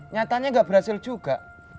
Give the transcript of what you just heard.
nyatanya nggak berhasil juga